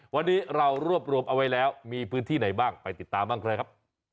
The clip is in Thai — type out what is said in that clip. วันนี้เรารวบรวมเอาไว้แล้วมีพื้นที่ไหนบ้างไปติดตามบ้างเลยครับ